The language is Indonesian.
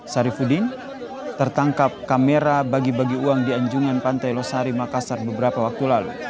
sarifudin tertangkap kamera bagi bagi uang di anjungan pantai losari makassar beberapa waktu lalu